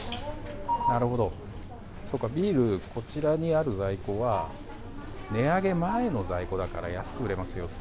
なるほど、そうかビール、こちらにある在庫は値上げ前の在庫だから安く売れますよ